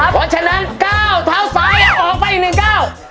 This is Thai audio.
เพราะฉะนั้นก้าวเท้าซ้ายออกไปอีกหนึ่งก้าว